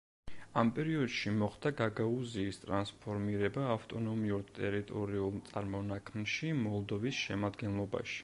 ამ პერიოდში მოხდა გაგაუზიის ტრანსფორმირება ავტონომიურ ტერიტორიულ წარმონაქმნში მოლდოვის შემადგენლობაში.